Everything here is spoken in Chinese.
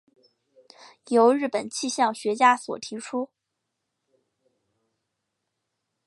由日本气象学家所提出。